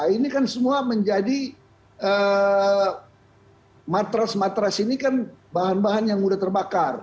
ini kan semua menjadi matras matras ini kan bahan bahan yang mudah terbakar